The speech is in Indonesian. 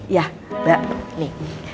ya mbak nih